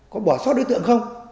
có bỏ sót đối tượng không